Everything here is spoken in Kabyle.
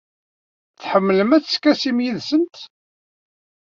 Tḥemmlem ad teskasim yid-sent?